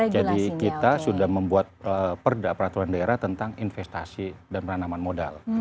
jadi kita sudah membuat peraturan daerah tentang investasi dan peranaman modal